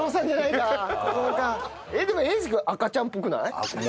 えっでも英二君赤ちゃんっぽくない？